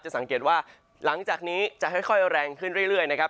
สังเกตว่าหลังจากนี้จะค่อยแรงขึ้นเรื่อยนะครับ